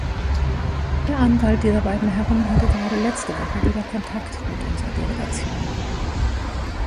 Der Anwalt dieser beiden Herren hatte gerade letzte Woche wieder Kontakt mit unserer Delegation.